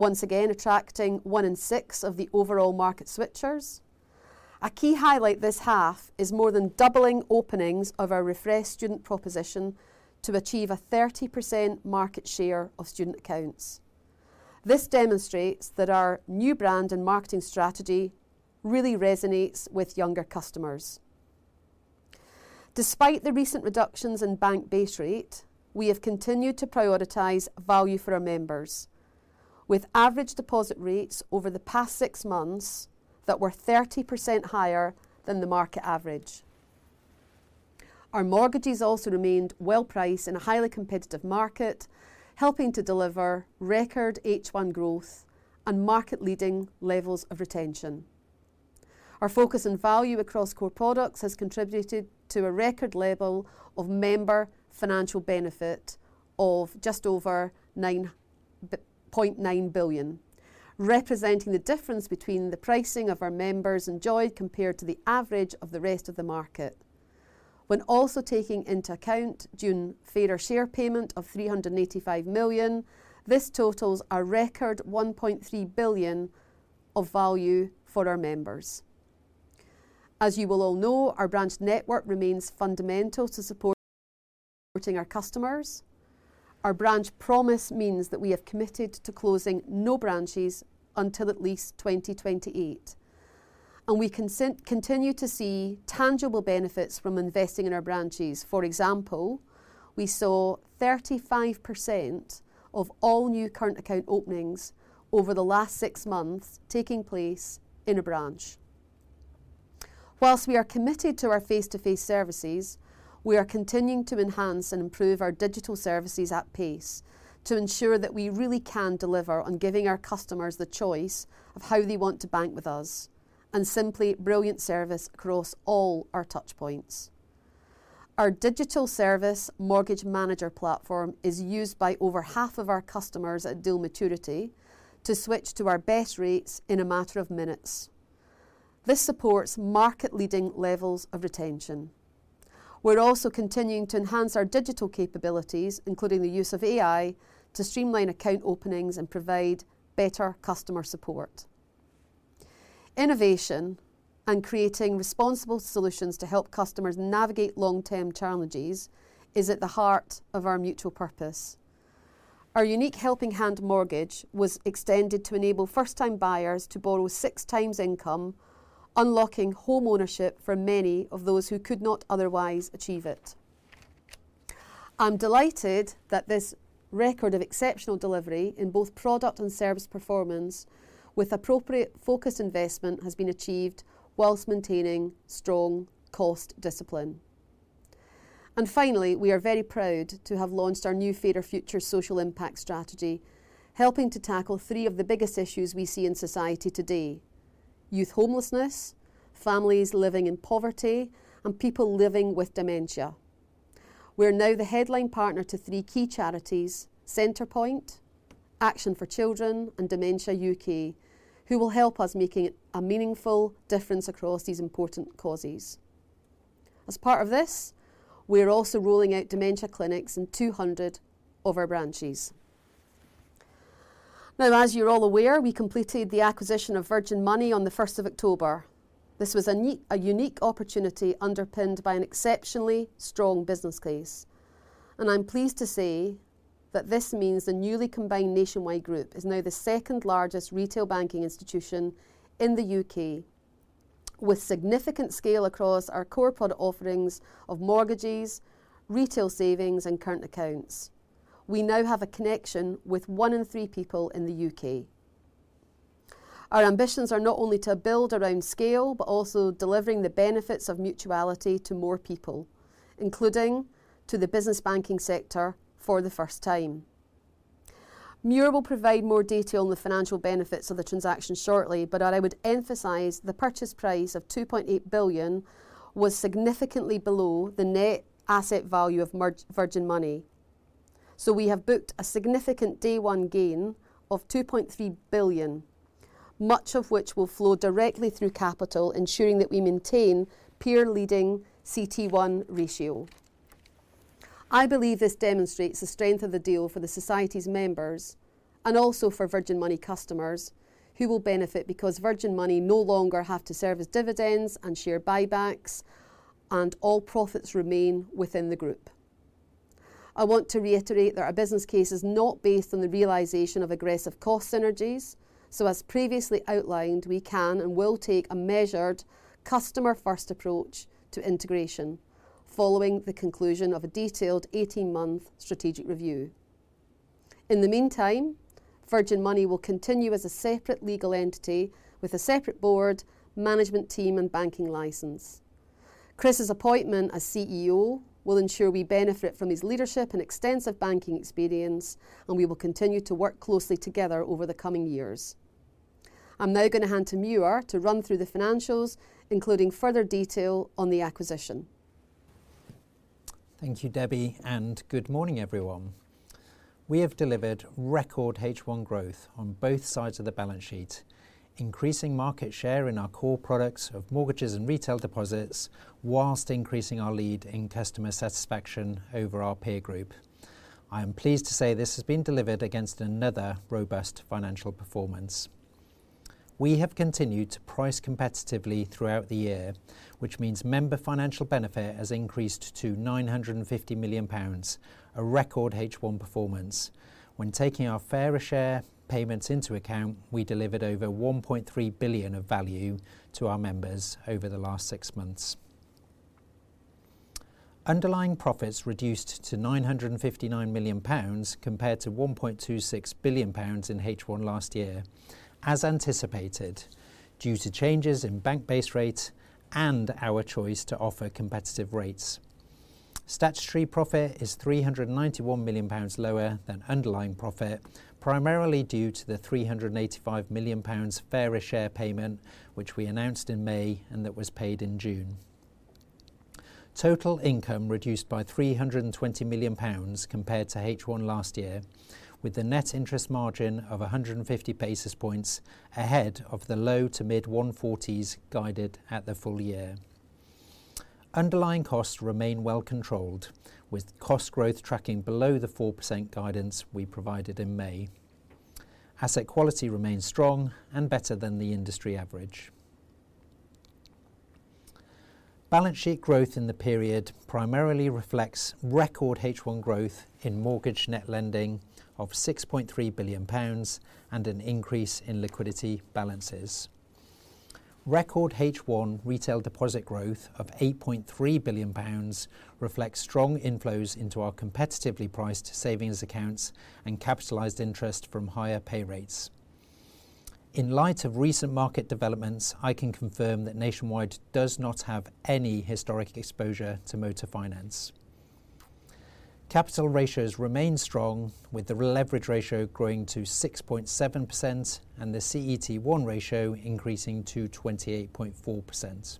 Once again attracting one in six of the overall market switchers. A key highlight this half is more than doubling openings of our refreshed student proposition to achieve a 30% market share of student accounts. This demonstrates that our new brand and marketing strategy really resonates with younger customers. Despite the recent reductions in bank base rate, we have continued to prioritize value for our members, with average deposit rates over the past six months that were 30% higher than the market average. Our mortgages also remained well-priced in a highly competitive market, helping to deliver record H1 growth and market-leading levels of retention. Our focus on value across core products has contributed to a record level of Member Financial Benefit of just over 9.9 billion, representing the difference between the pricing of our members enjoyed compared to the average of the rest of the market. When also taking into account June Fairer Share payment of 385 million, this totals a record 1.3 billion of value for our members. As you will all know, our branch network remains fundamental to supporting our customers. Our Branch Promise means that we have committed to closing no branches until at least 2028, and we continue to see tangible benefits from investing in our branches. For example, we saw 35% of all new current account openings over the last six months taking place in a branch. While we are committed to our face-to-face services, we are continuing to enhance and improve our digital services at pace to ensure that we really can deliver on giving our customers the choice of how they want to bank with us and simply brilliant service across all our touch points. Our digital service Mortgage Manager platform is used by over half of our customers at deal maturity to switch to our best rates in a matter of minutes. This supports market-leading levels of retention. We're also continuing to enhance our digital capabilities, including the use of AI to streamline account openings and provide better customer support. Innovation and creating responsible solutions to help customers navigate long-term challenges is at the heart of our mutual purpose. Our unique Helping Hand mortgage was extended to enable first-time buyers to borrow six times income, unlocking homeownership for many of those who could not otherwise achieve it. I'm delighted that this record of exceptional delivery in both product and service performance, with appropriate focused investment, has been achieved whilst maintaining strong cost discipline. Finally, we are very proud to have launched our new Fairer Futures social impact strategy, helping to tackle three of the biggest issues we see in society today: youth homelessness, families living in poverty, and people living with dementia. We're now the headline partner to three key charities, Centrepoint, Action for Children, and Dementia UK, who will help us make a meaningful difference across these important causes. As part of this, we're also rolling out dementia clinics in 200 of our branches. Now, as you're all aware, we completed the acquisition of Virgin Money on the 1st of October. This was a unique opportunity underpinned by an exceptionally strong business case, and I'm pleased to say that this means the newly combined Nationwide Group is now the second largest retail banking institution in the U.K., with significant scale across our core product offerings of mortgages, retail savings, and current accounts. We now have a connection with one in three people in the U.K. Our ambitions are not only to build around scale, but also delivering the benefits of mutuality to more people, including to the business banking sector for the first time. Muir will provide more detail on the financial benefits of the transaction shortly, but I would emphasize the purchase price of 2.8 billion was significantly below the net asset value of Virgin Money. We have booked a significant day one gain of 2.3 billion, much of which will flow directly through capital, ensuring that we maintain peer-leading CET1 ratio. I believe this demonstrates the strength of the deal for the society's members and also for Virgin Money customers who will benefit because Virgin Money no longer have to service dividends and share buybacks, and all profits remain within the group. I want to reiterate that our business case is not based on the realization of aggressive cost synergies. As previously outlined, we can and will take a measured customer-first approach to integration, following the conclusion of a detailed 18-month strategic review. In the meantime, Virgin Money will continue as a separate legal entity with a separate board, management team, and banking license. Chris's appointment as CEO will ensure we benefit from his leadership and extensive banking experience, and we will continue to work closely together over the coming years. I'm now going to hand to Muir to run through the financials, including further detail on the acquisition. Thank you, Debbie, and good morning, everyone. We have delivered record H1 growth on both sides of the balance sheet, increasing market share in our core products of mortgages and retail deposits, while increasing our lead in customer satisfaction over our peer group. I am pleased to say this has been delivered against another robust financial performance. We have continued to price competitively throughout the year, which means Member Financial Benefit has increased to 950 million pounds, a record H1 performance. When taking our Fairer Share payments into account, we delivered over 1.3 billion of value to our members over the last six months. Underlying profits reduced to 959 million pounds compared to 1.26 billion pounds in H1 last year, as anticipated due to changes in bank base rate and our choice to offer competitive rates. Statutory profit is 391 million pounds lower than underlying profit, primarily due to the 385 million pounds Fairer Share Payment, which we announced in May and that was paid in June. Total income reduced by 320 million pounds compared to H1 last year, with the net interest margin of 150 basis points ahead of the low to mid-140s guided at the full year. Underlying costs remain well controlled, with cost growth tracking below the 4% guidance we provided in May. Asset quality remains strong and better than the industry average. Balance sheet growth in the period primarily reflects record H1 growth in mortgage net lending of 6.3 billion pounds and an increase in liquidity balances. Record H1 retail deposit growth of 8.3 billion pounds reflects strong inflows into our competitively priced savings accounts and capitalized interest from higher pay rates. In light of recent market developments, I can confirm that Nationwide does not have any historic exposure to motor finance. Capital ratios remain strong, with the leverage ratio growing to 6.7% and the CET1 ratio increasing to 28.4%.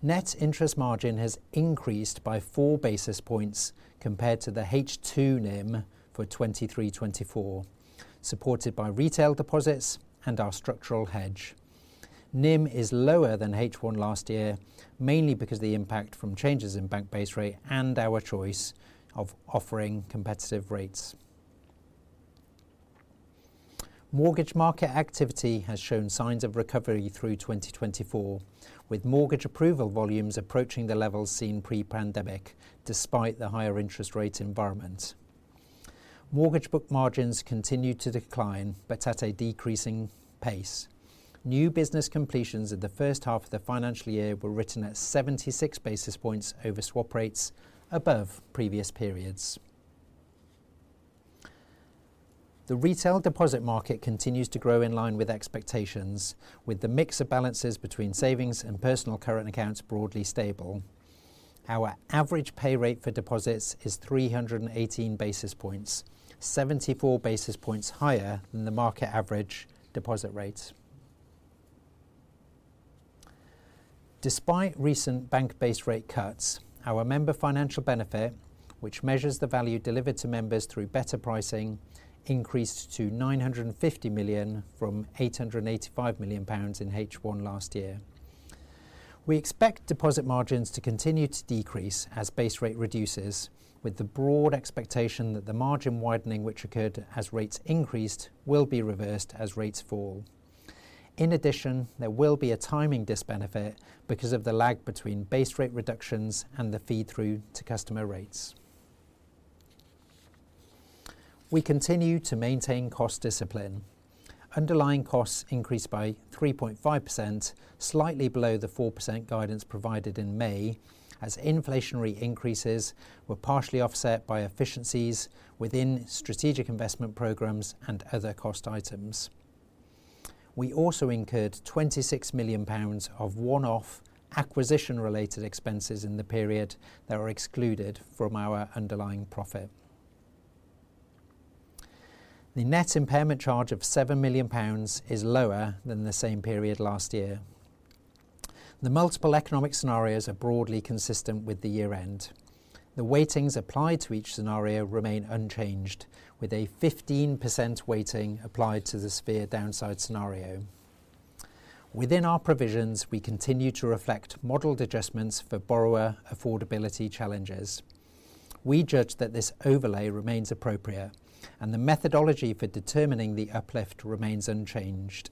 Net interest margin has increased by four basis points compared to the H2 NIM for 2023/24, supported by retail deposits and our structural hedge. NIM is lower than H1 last year, mainly because of the impact from changes in bank base rate and our choice of offering competitive rates. Mortgage market activity has shown signs of recovery through 2024, with mortgage approval volumes approaching the levels seen pre-pandemic despite the higher interest rate environment. Mortgage book margins continue to decline, but at a decreasing pace. New business completions in the first half of the financial year were written at 76 basis points over swap rates, above previous periods. The retail deposit market continues to grow in line with expectations, with the mix of balances between savings and personal current accounts broadly stable. Our average pay rate for deposits is 318 basis points, 74 basis points higher than the market average deposit rate. Despite recent bank base rate cuts, our member financial benefit, which measures the value delivered to members through better pricing, increased to 950 million from 885 million pounds in H1 last year. We expect deposit margins to continue to decrease as base rate reduces, with the broad expectation that the margin widening which occurred as rates increased will be reversed as rates fall. In addition, there will be a timing disbenefit because of the lag between base rate reductions and the feed-through to customer rates. We continue to maintain cost discipline. Underlying costs increased by 3.5%, slightly below the 4% guidance provided in May, as inflationary increases were partially offset by efficiencies within strategic investment programs and other cost items. We also incurred 26 million pounds of one-off acquisition-related expenses in the period that are excluded from our underlying profit. The net impairment charge of 7 million pounds is lower than the same period last year. The multiple economic scenarios are broadly consistent with the year-end. The weightings applied to each scenario remain unchanged, with a 15% weighting applied to the severe downside scenario. Within our provisions, we continue to reflect modeled adjustments for borrower affordability challenges. We judge that this overlay remains appropriate, and the methodology for determining the uplift remains unchanged.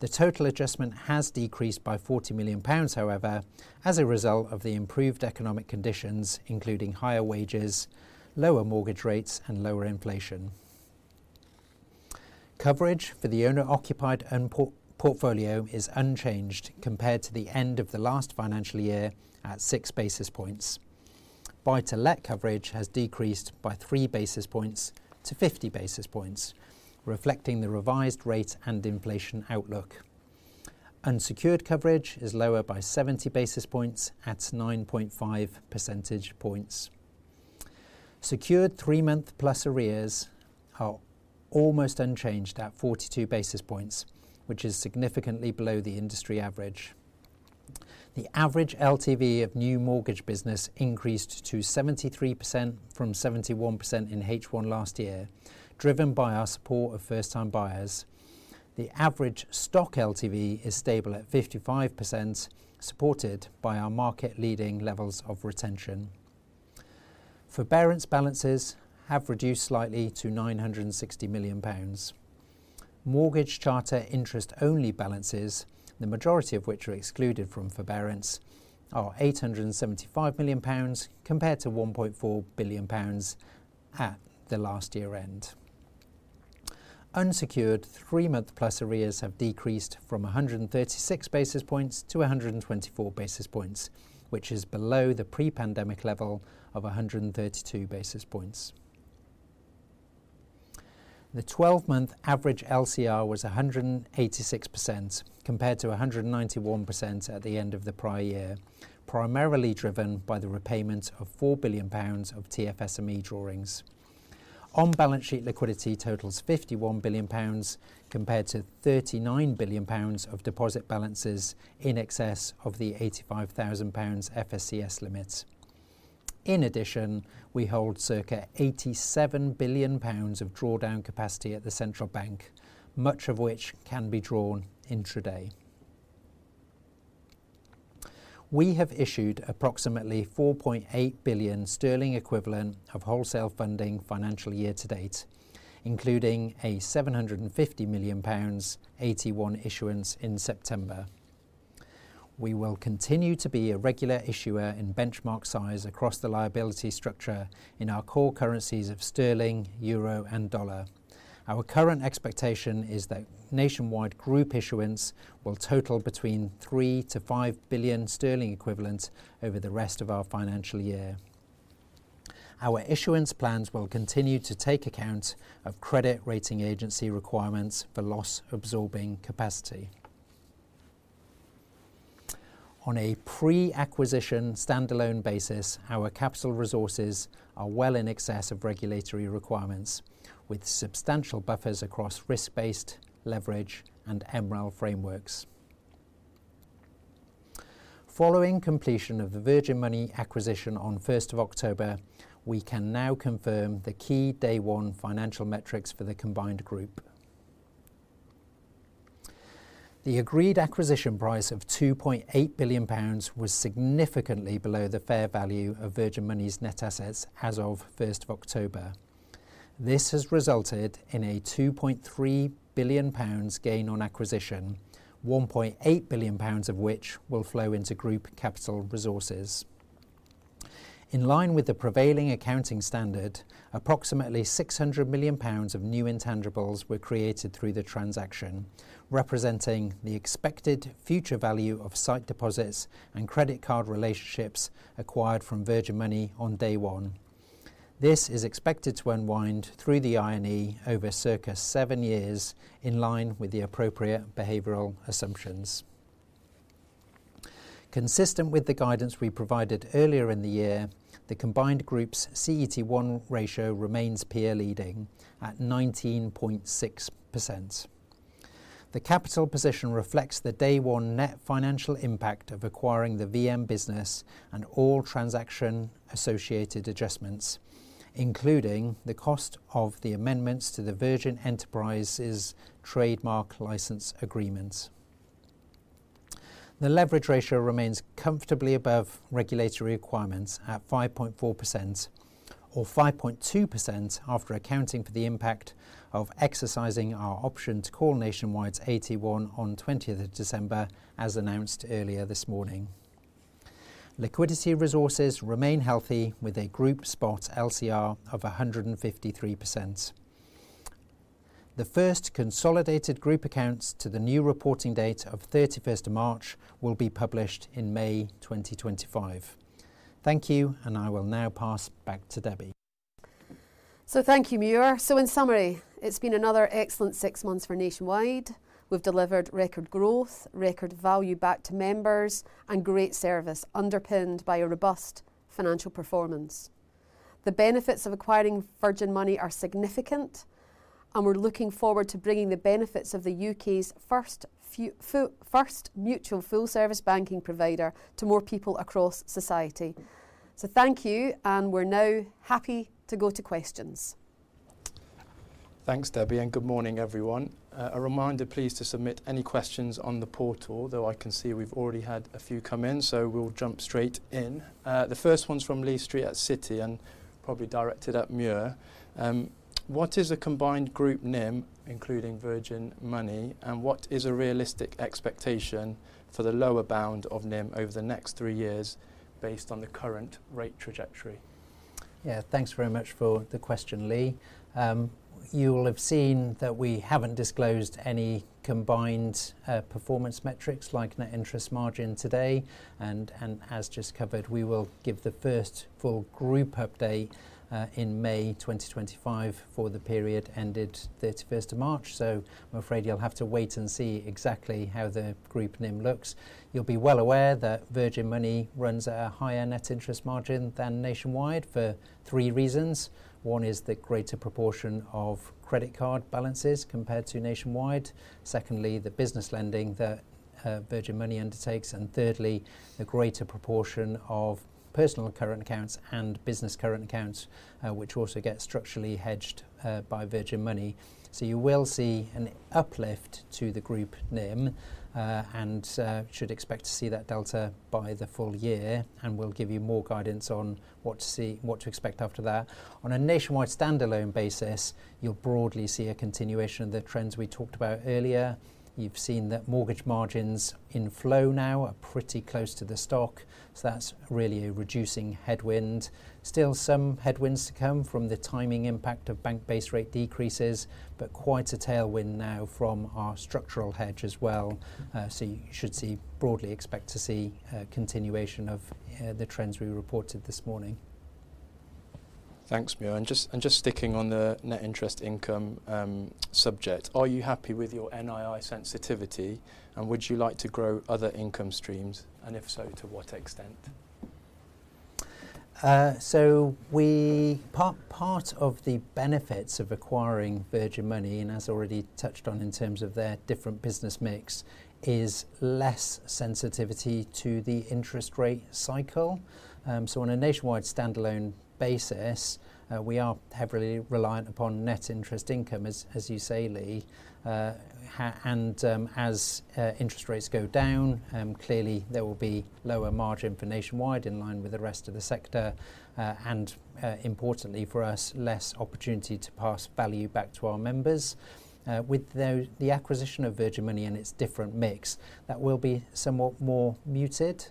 The total adjustment has decreased by 40 million pounds, however, as a result of the improved economic conditions, including higher wages, lower mortgage rates, and lower inflation. Coverage for the owner-occupied portfolio is unchanged compared to the end of the last financial year at six basis points. Buy-to-let coverage has decreased by three basis points to 50 basis points, reflecting the revised rate and inflation outlook. Unsecured coverage is lower by 70 basis points at 9.5 percentage points. Secured three-month plus arrears are almost unchanged at 42 basis points, which is significantly below the industry average. The average LTV of new mortgage business increased to 73% from 71% in H1 last year, driven by our support of first-time buyers. The average stock LTV is stable at 55%, supported by our market-leading levels of retention. Forbearance balances have reduced slightly to 960 million pounds. Mortgage Charter interest-only balances, the majority of which are excluded from forbearance, are 875 million pounds compared to 1.4 billion pounds at the last year-end. Unsecured three-month plus arrears have decreased from 136 basis points to 124 basis points, which is below the pre-pandemic level of 132 basis points. The 12-month average LCR was 186% compared to 191% at the end of the prior year, primarily driven by the repayment of 4 billion pounds of TFSME drawings. On-balance sheet liquidity totals 51 billion pounds compared to 39 billion pounds of deposit balances in excess of the 85,000 pounds FSCS limit. In addition, we hold circa 87 billion pounds of drawdown capacity at the central bank, much of which can be drawn intraday. We have issued approximately 4.8 billion sterling equivalent of wholesale funding financial year to date, including a 750 million pounds AT1 issuance in September. We will continue to be a regular issuer in benchmark size across the liability structure in our core currencies of sterling, euro, and dollar. Our current expectation is that Nationwide Group issuance will total between 3 to 5 billion sterling equivalent over the rest of our financial year. Our issuance plans will continue to take account of credit rating agency requirements for loss-absorbing capacity. On a pre-acquisition standalone basis, our capital resources are well in excess of regulatory requirements, with substantial buffers across risk-based, leverage, and MREL frameworks. Following completion of the Virgin Money acquisition on 1st of October, we can now confirm the key day one financial metrics for the combined group. The agreed acquisition price of 2.8 billion pounds was significantly below the fair value of Virgin Money's net assets as of 1st of October. This has resulted in a 2.3 billion pounds gain on acquisition, 1.8 billion pounds of which will flow into group capital resources. In line with the prevailing accounting standard, approximately 600 million pounds of new intangibles were created through the transaction, representing the expected future value of sight deposits and credit card relationships acquired from Virgin Money on day one. This is expected to unwind through the I&E over circa seven years, in line with the appropriate behavioral assumptions. Consistent with the guidance we provided earlier in the year, the combined group's CET1 ratio remains peer-leading at 19.6%. The capital position reflects the day one net financial impact of acquiring the VM business and all transaction-associated adjustments, including the cost of the amendments to the Virgin Enterprises trademark license agreement. The leverage ratio remains comfortably above regulatory requirements at 5.4%, or 5.2% after accounting for the impact of exercising our option to call Nationwide's AT1 on 20th of December, as announced earlier this morning. Liquidity resources remain healthy, with a group spot LCR of 153%. The first consolidated group accounts to the new reporting date of 31st of March will be published in May 2025. Thank you, and I will now pass back to Debbie. So thank you, Muir. So in summary, it’s been another excellent six months for Nationwide. We’ve delivered record growth, record value back to members, and great service, underpinned by a robust financial performance. The benefits of acquiring Virgin Money are significant, and we’re looking forward to bringing the benefits of the U.K.’s first mutual full-service banking provider to more people across society. So thank you, and we’re now happy to go to questions. Thanks, Debbie, and good morning, everyone. A reminder, please, to submit any questions on the portal, though I can see we've already had a few come in, so we'll jump straight in. The first one's from Lee Street at Citi, and probably directed at Muir. What is the combined group NIM, including Virgin Money, and what is a realistic expectation for the lower bound of NIM over the next three years, based on the current rate trajectory? Yeah, thanks very much for the question, Lee. You will have seen that we haven't disclosed any combined performance metrics like net interest margin today. And as just covered, we will give the first full group update in May 2025 for the period ended 31st of March. So I'm afraid you'll have to wait and see exactly how the group NIM looks. You'll be well aware that Virgin Money runs at a higher net interest margin than Nationwide for three reasons. One is the greater proportion of credit card balances compared to Nationwide. Secondly, the business lending that Virgin Money undertakes. And thirdly, the greater proportion of personal current accounts and business current accounts, which also get structurally hedged by Virgin Money. So you will see an uplift to the group NIM, and should expect to see that delta by the full year, and we'll give you more guidance on what to expect after that. On a Nationwide standalone basis, you'll broadly see a continuation of the trends we talked about earlier. You've seen that mortgage margins in flow now are pretty close to the stock, so that's really a reducing headwind. Still some headwinds to come from the timing impact of bank base rate decreases, but quite a tailwind now from our structural hedge as well. So you should broadly expect to see a continuation of the trends we reported this morning. Thanks, Muir, and just sticking on the net interest income subject, are you happy with your NII sensitivity, and would you like to grow other income streams, and if so, to what extent? So part of the benefits of acquiring Virgin Money, and as already touched on in terms of their different business mix, is less sensitivity to the interest rate cycle. So on a Nationwide standalone basis, we are heavily reliant upon net interest income, as you say, Lee. And as interest rates go down, clearly there will be lower margin for Nationwide in line with the rest of the sector, and importantly for us, less opportunity to pass value back to our members. With the acquisition of Virgin Money and its different mix, that will be somewhat more muted,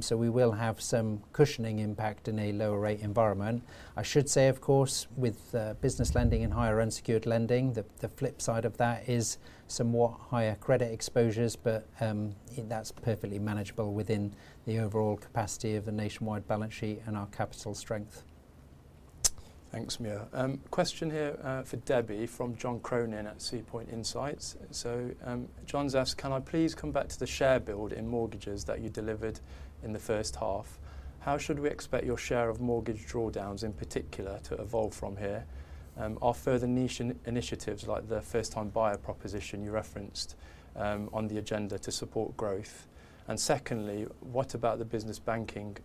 so we will have some cushioning impact in a lower rate environment. I should say, of course, with business lending and higher unsecured lending, the flip side of that is somewhat higher credit exposures, but that's perfectly manageable within the overall capacity of the Nationwide balance sheet and our capital strength. Thanks, Muir. Question here for Debbie from John Cronin at SeaPoint Insights. So John's asked, can I please come back to the share build in mortgages that you delivered in the first half? How should we expect your share of mortgage drawdowns in particular to evolve from here? Are further niche initiatives like the first-time buyer proposition you referenced on the agenda to support growth? And secondly, what about the business banking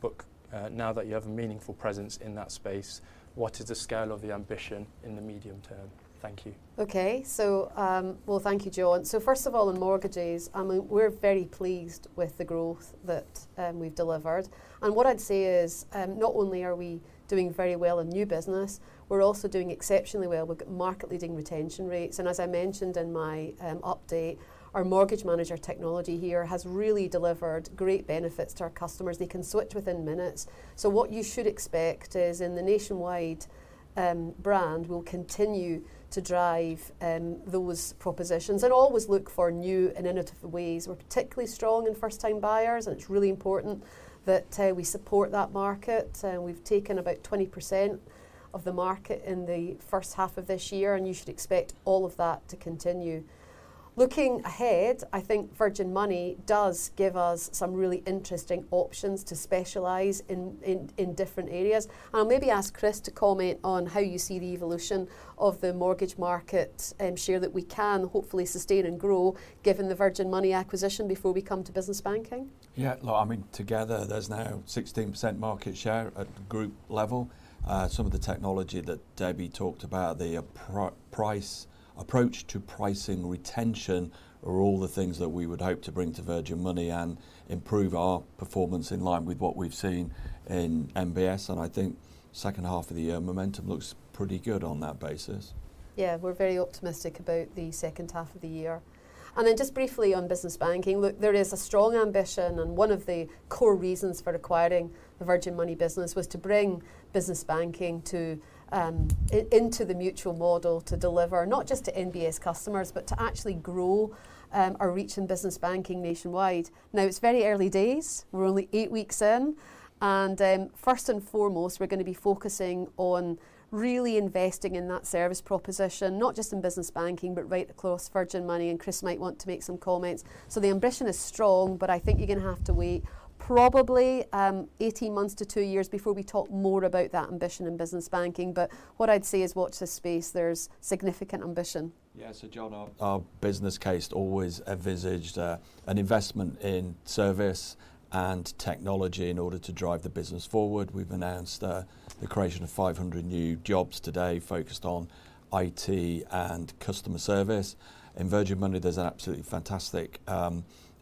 book now that you have a meaningful presence in that space? What is the scale of the ambition in the medium term? Thank you. Well, thank you, John. So first of all, on mortgages, we're very pleased with the growth that we've delivered. And what I'd say is not only are we doing very well in new business, we're also doing exceptionally well with market-leading retention rates. And as I mentioned in my update, our mortgage manager technology here has really delivered great benefits to our customers. They can switch within minutes. So what you should expect is in the Nationwide brand, we'll continue to drive those propositions and always look for new and innovative ways. We're particularly strong in first-time buyers, and it's really important that we support that market. We've taken about 20% of the market in the first half of this year, and you should expect all of that to continue. Looking ahead, I think Virgin Money does give us some really interesting options to specialize in different areas. I'll maybe ask Chris to comment on how you see the evolution of the mortgage market share that we can hopefully sustain and grow given the Virgin Money acquisition before we come to business banking. Yeah, look, I mean, together there's now 16% market share at group level. Some of the technology that Debbie talked about, the price approach to pricing retention, are all the things that we would hope to bring to Virgin Money and improve our performance in line with what we've seen in NBS. And I think second half of the year momentum looks pretty good on that basis. Yeah, we're very optimistic about the second half of the year, and then just briefly on business banking, look, there is a strong ambition, and one of the core reasons for acquiring the Virgin Money business was to bring business banking into the mutual model to deliver, not just to NBS customers, but to actually grow our reach in business banking nationwide. Now, it's very early days. We're only eight weeks in, and first and foremost, we're going to be focusing on really investing in that service proposition, not just in business banking, but right across Virgin Money, and Chris might want to make some comments, so the ambition is strong, but I think you're going to have to wait probably 18 months to two years before we talk more about that ambition in business banking, but what I'd say is watch this space. There's significant ambition. Yeah, so John. Our business case always envisioned an investment in service and technology in order to drive the business forward. We've announced the creation of 500 new jobs today focused on IT and customer service. In Virgin Money, there's an absolutely fantastic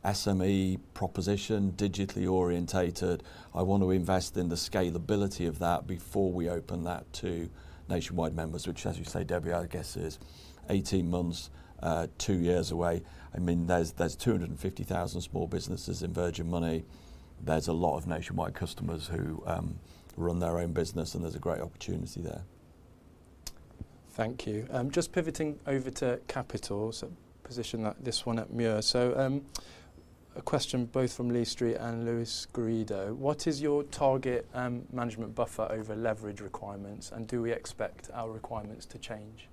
SME proposition, digitally oriented. I want to invest in the scalability of that before we open that to Nationwide members, which, as you say, Debbie, I guess is 18 months, two years away. I mean, there's 250,000 small businesses in Virgin Money. There's a lot of Nationwide customers who run their own business, and there's a great opportunity there. Thank you. Just pivoting over to Capital, so position this one at Muir. So a question both from Lee Street and Luis Garrido. What is your target management buffer over leverage requirements, and do we expect our requirements to change?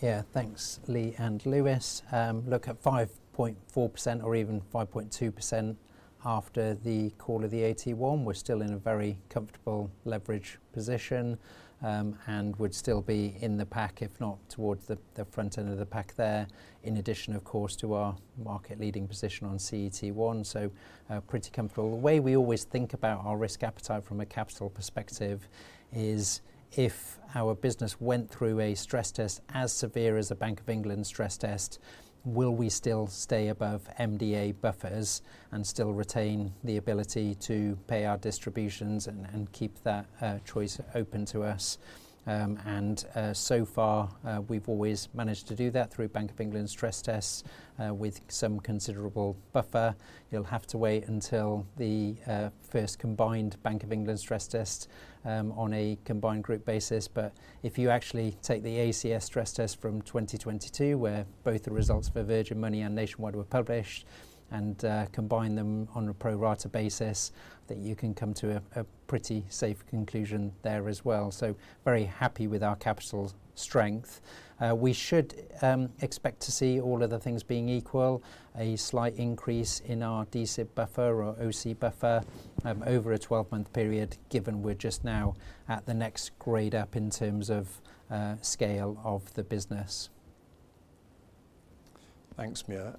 Yeah, thanks, Lee and Louis. Look at 5.4% or even 5.2% after the call of the AT1. We're still in a very comfortable leverage position and would still be in the pack, if not towards the front end of the pack there, in addition, of course, to our market-leading position on CET1. So pretty comfortable. The way we always think about our risk appetite from a capital perspective is if our business went through a stress test as severe as a Bank of England stress test, will we still stay above MDA buffers and still retain the ability to pay our distributions and keep that choice open to us? And so far, we've always managed to do that through Bank of England stress tests with some considerable buffer. You'll have to wait until the first combined Bank of England stress test on a combined group basis. But if you actually take the ACS stress test from 2022, where both the results for Virgin Money and Nationwide were published, and combine them on a pro rata basis, that you can come to a pretty safe conclusion there as well, so very happy with our capital strength. We should expect to see all other things being equal, a slight increase in our D-SIB buffer or O-SII buffer over a 12-month period, given we're just now at the next grade up in terms of scale of the business. Thanks, Muir.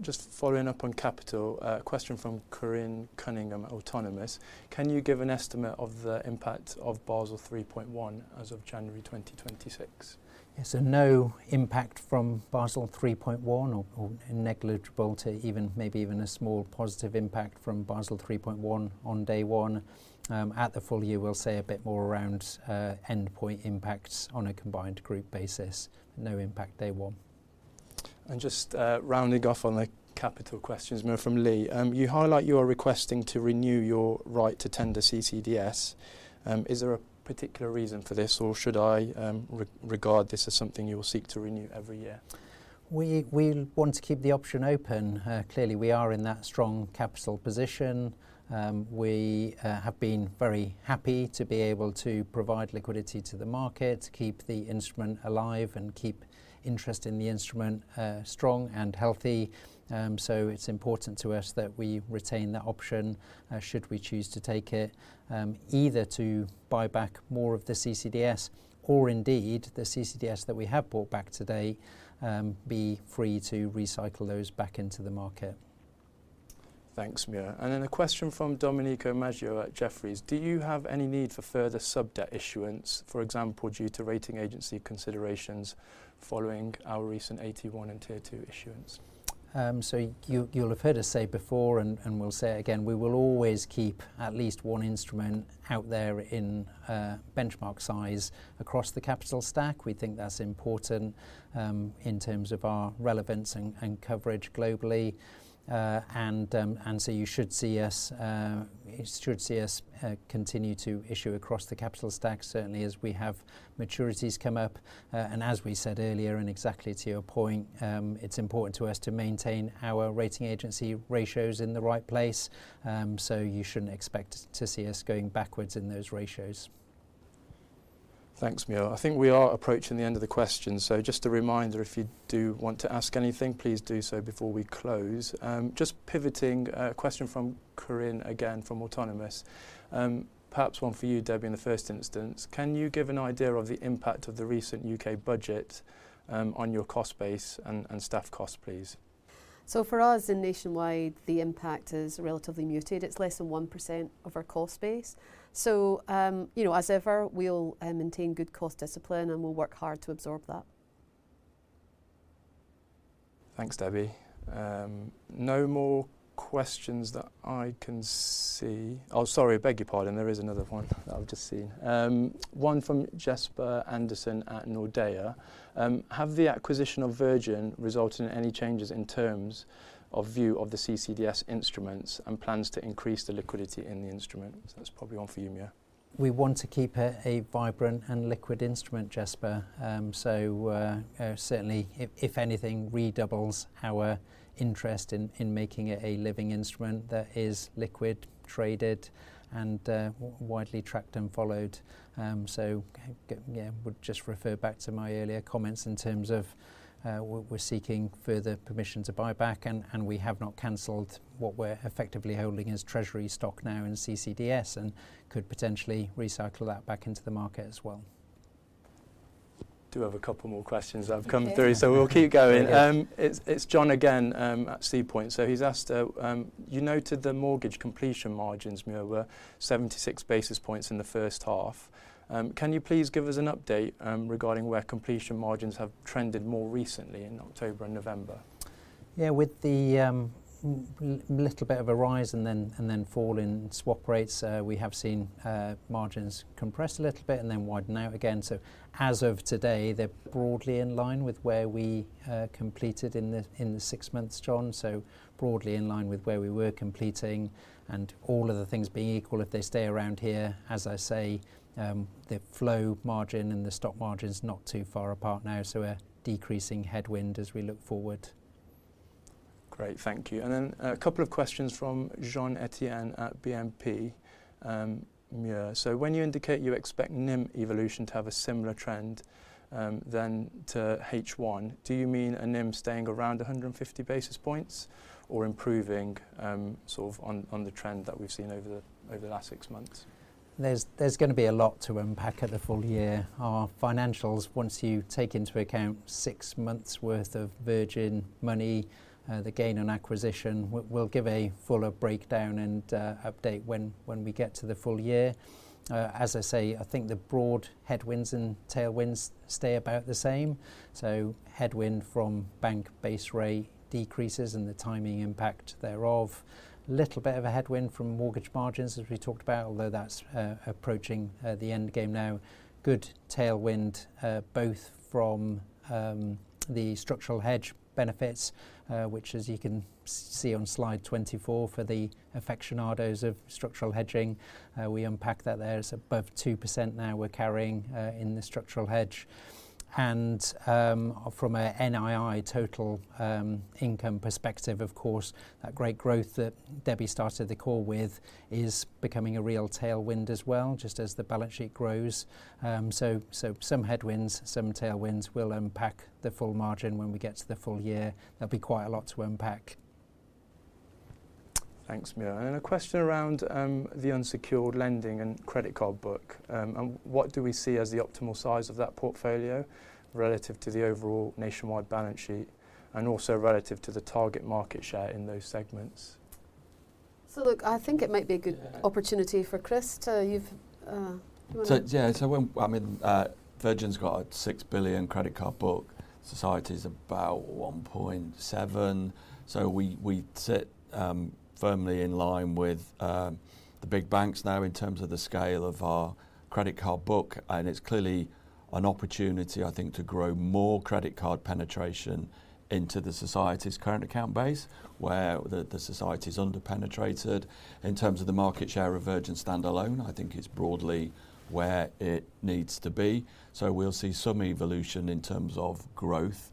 Just following up on Capital, a question from Corinne Cunningham, Autonomous. Can you give an estimate of the impact of Basel 3.1 as of January 2026? Yeah, so no impact from Basel 3.1 or negligible, even maybe a small positive impact from Basel 3.1 on day one. At the full year, we'll say a bit more around endpoint impacts on a combined group basis. No impact day one. Just rounding off on the capital questions, Muir from Lee, you highlight you are requesting to renew your right to tender CCDS. Is there a particular reason for this, or should I regard this as something you will seek to renew every year? We want to keep the option open. Clearly, we are in that strong capital position. We have been very happy to be able to provide liquidity to the market, keep the instrument alive, and keep interest in the instrument strong and healthy. So it's important to us that we retain that option should we choose to take it, either to buy back more of the CCDS or indeed the CCDS that we have bought back today, be free to recycle those back into the market. Thanks, Muir. And then a question from Domenico Maggio at Jefferies. Do you have any need for further sub-debt issuance, for example, due to rating agency considerations following our recent AT1 and Tier 2 issuance? So you'll have heard us say before, and we'll say it again, we will always keep at least one instrument out there in benchmark size across the capital stack. We think that's important in terms of our relevance and coverage globally. And so you should see us continue to issue across the capital stack, certainly as we have maturities come up. And as we said earlier, and exactly to your point, it's important to us to maintain our rating agency ratios in the right place. So you shouldn't expect to see us going backwards in those ratios. Thanks, Muir. I think we are approaching the end of the questions. So just a reminder, if you do want to ask anything, please do so before we close. Just pivoting a question from Corinne again from Autonomous. Perhaps one for you, Debbie, in the first instance. Can you give an idea of the impact of the recent U.K. budget on your cost base and staff costs, please? For us in Nationwide, the impact is relatively muted. It's less than 1% of our cost base. As ever, we'll maintain good cost discipline and we'll work hard to absorb that. Thanks, Debbie. No more questions that I can see. Oh, sorry, I beg your pardon, there is another one that I've just seen. One from Jesper Andersson at Nordea. Have the acquisition of Virgin resulted in any changes in terms of view of the CCDS instruments and plans to increase the liquidity in the instrument? So that's probably one for you, Muir. We want to keep it a vibrant and liquid instrument, Jesper. So certainly, if anything, redoubles our interest in making it a living instrument that is liquid, traded, and widely tracked and followed. So yeah, I would just refer back to my earlier comments in terms of we're seeking further permission to buy back, and we have not cancelled what we're effectively holding as treasury stock now in CCDS and could potentially recycle that back into the market as well. Do have a couple more questions that have come through, so we'll keep going. It's John again at SeaPoint. So he's asked, you noted the mortgage completion margins, Muir, were 76 basis points in the first half. Can you please give us an update regarding where completion margins have trended more recently in October and November? Yeah, with the little bit of a rise and then fall in swap rates, we have seen margins compress a little bit and then widen out again. So as of today, they're broadly in line with where we completed in the six months, John. So broadly in line with where we were completing. And all of the things being equal, if they stay around here, as I say, the flow margin and the stock margin is not too far apart now. So we're decreasing headwind as we look forward. Great, thank you, and then a couple of questions from Jean-Etienne at BNP, Muir, so when you indicate you expect NIM evolution to have a similar trend than to H1, do you mean a NIM staying around 150 basis points or improving sort of on the trend that we've seen over the last six months? There's going to be a lot to unpack at the full year. Our financials, once you take into account six months' worth of Virgin Money, the gain on acquisition, we'll give a fuller breakdown and update when we get to the full year. As I say, I think the broad headwinds and tailwinds stay about the same. So headwind from bank base rate decreases and the timing impact thereof. A little bit of a headwind from mortgage margins, as we talked about, although that's approaching the end game now. Good tailwind both from the structural hedge benefits, which, as you can see on slide 24 for the aficionados of structural hedging, we unpack that. There is above 2% now we're carrying in the structural hedge. From an NII total income perspective, of course, that great growth that Debbie started the call with is becoming a real tailwind as well, just as the balance sheet grows. So some headwinds, some tailwinds, we'll unpack the full margin when we get to the full year. There'll be quite a lot to unpack. Thanks, Muir. And a question around the unsecured lending and credit card book. What do we see as the optimal size of that portfolio relative to the overall Nationwide balance sheet and also relative to the target market share in those segments? So look, I think it might be a good opportunity for Chris to... Yeah, so I mean, Virgin's got a 6 billion credit card book. Society's about 1.7 billion. So we sit firmly in line with the big banks now in terms of the scale of our credit card book. And it's clearly an opportunity, I think, to grow more credit card penetration into the society's current account base where the society's underpenetrated. In terms of the market share of Virgin standalone, I think it's broadly where it needs to be. So we'll see some evolution in terms of growth.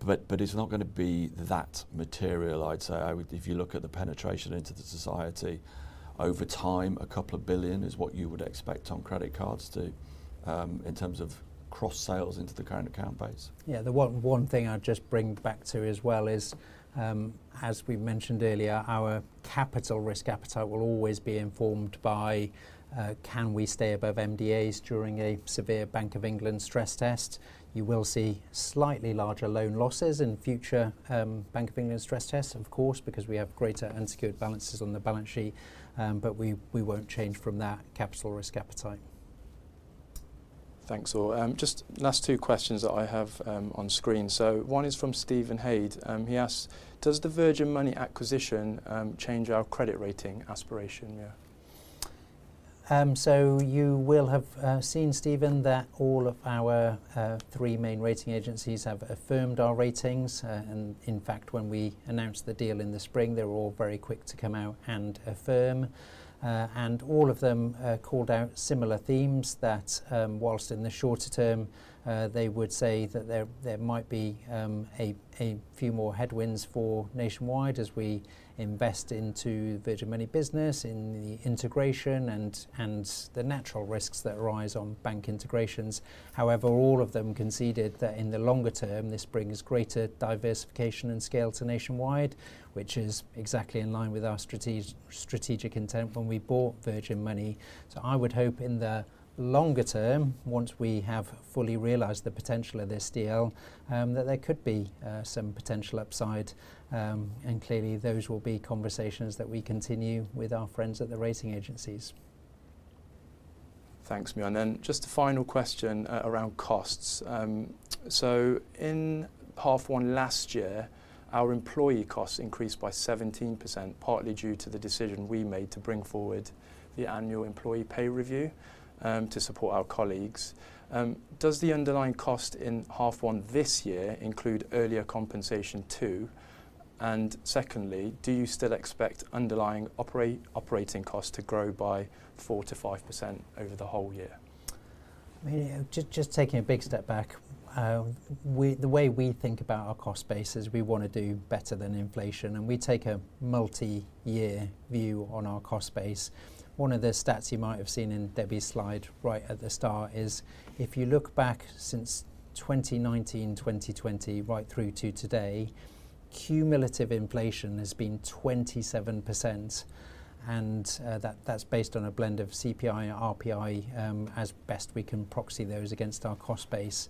But it's not going to be that material, I'd say. If you look at the penetration into the society over time, a couple of billion is what you would expect on credit cards too in terms of cross-sales into the current account base. Yeah, the one thing I'd just bring back to as well is, as we mentioned earlier, our capital risk appetite will always be informed by can we stay above MDAs during a severe Bank of England stress test. You will see slightly larger loan losses in future Bank of England stress tests, of course, because we have greater unsecured balances on the balance sheet. But we won't change from that capital risk appetite. Thanks, all. Just last two questions that I have on screen. So one is from Stephen Hayde. He asks, Does the Virgin Money acquisition change our credit rating aspiration, Muir? So you will have seen, Stephen, that all of our three main rating agencies have affirmed our ratings. And in fact, when we announced the deal in the spring, they were all very quick to come out and affirm. And all of them called out similar themes that whilst in the shorter term, they would say that there might be a few more headwinds for Nationwide as we invest into the Virgin Money business, in the integration and the natural risks that arise on bank integrations. However, all of them conceded that in the longer term, this brings greater diversification and scale to Nationwide, which is exactly in line with our strategic intent when we bought Virgin Money. So I would hope in the longer term, once we have fully realized the potential of this deal, that there could be some potential upside. Clearly, those will be conversations that we continue with our friends at the rating agencies. Thanks, Muir. And then just a final question around costs. So in half one last year, our employee costs increased by 17%, partly due to the decision we made to bring forward the annual employee pay review to support our colleagues. Does the underlying cost in half one this year include earlier compensation too? And secondly, do you still expect underlying operating costs to grow by 4%-5% over the whole year? Just taking a big step back, the way we think about our cost bases, we want to do better than inflation, and we take a multi-year view on our cost base. One of the stats you might have seen in Debbie's slide right at the start is if you look back since 2019, 2020, right through to today, cumulative inflation has been 27%, and that's based on a blend of CPI and RPI as best we can proxy those against our cost base.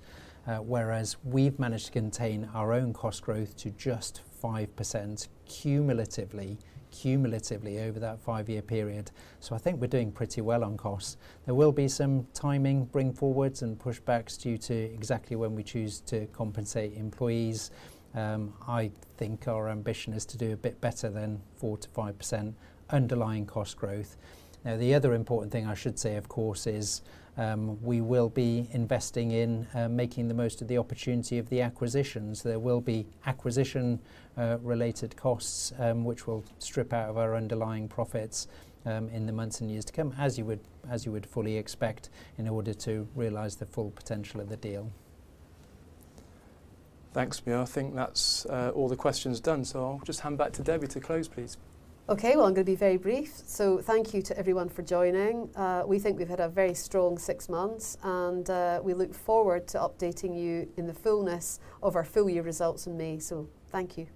Whereas we've managed to contain our own cost growth to just 5% cumulatively over that five-year period, so I think we're doing pretty well on costs. There will be some timing bring forwards and pushbacks due to exactly when we choose to compensate employees. I think our ambition is to do a bit better than 4%-5% underlying cost growth. Now, the other important thing I should say, of course, is we will be investing in making the most of the opportunity of the acquisitions. There will be acquisition-related costs which will strip out of our underlying profits in the months and years to come, as you would fully expect in order to realize the full potential of the deal. Thanks, Muir. I think that's all the questions done. So I'll just hand back to Debbie to close, please. Okay, well, I'm going to be very brief. So thank you to everyone for joining. We think we've had a very strong six months, and we look forward to updating you in the fullness of our full year results in May. So thank you.